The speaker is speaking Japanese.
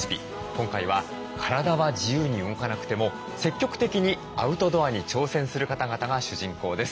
今回は体は自由に動かなくても積極的にアウトドアに挑戦する方々が主人公です。